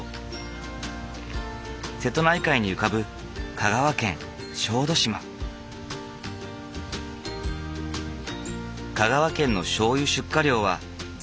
瀬戸内海に浮かぶ香川県のしょうゆ出荷量は全国第５位。